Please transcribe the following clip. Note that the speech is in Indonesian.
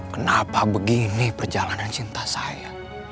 kenapa begini perjalanan cinta saya